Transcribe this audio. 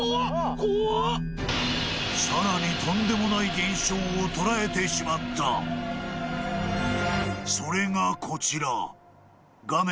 さらにとんでもない現象を捉えてしまったそれがこちら画面